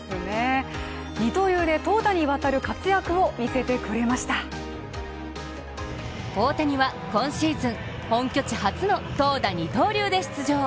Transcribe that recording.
二刀流で投打にわたる活躍を見せてくれました大谷は今シーズン、本拠地初の投打二刀流で出場。